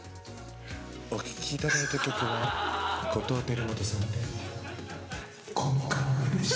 お聴きいただいた曲は後藤輝基さんで「こぬか雨」でした。